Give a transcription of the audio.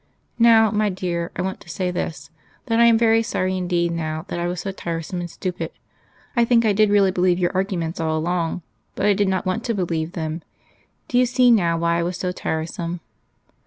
"Now, my dear, I want to say this that I am very sorry indeed now that I was so tiresome and stupid. I think I did really believe your arguments all along. But I did not want to believe them. Do you see now why I was so tiresome?